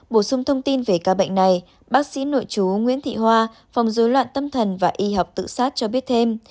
bộ xung thông tin về ca bệnh này bác sĩ nội chú nguyễn thị hoa phòng dối loạn tâm thần và y học tự xát cho biết thêm